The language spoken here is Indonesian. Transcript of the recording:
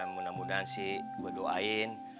mudah mudahan sih gue doain